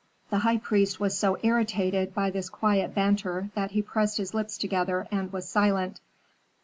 The high priest was so irritated by this quiet banter that he pressed his lips together and was silent.